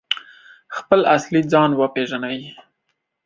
خپل اصلي ځان وپیژني؟